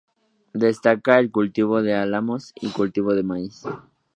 Destaca el cultivo de álamos y cultivos de maíz.